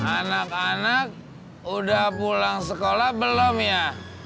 anak anak udah pulang sekolah belum ya